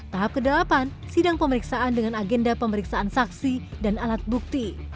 tahap ke delapan sidang pemeriksaan dengan agenda pemeriksaan saksi dan alat bukti